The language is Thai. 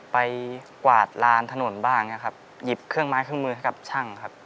กวาดลานถนนบ้างอย่างนี้ครับหยิบเครื่องไม้เครื่องมือให้กับช่างครับ